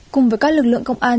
cùng với các lực lượng công an